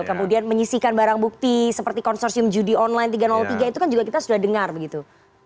kemudian menyisikan barang bukti seperti konsorsium judi online tiga ratus tiga itu kan juga kita sudah dengar begitu